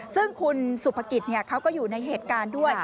ซึ่งคุณสุภกิจเขาก็อยู่ในเหตุการณ์ด้วย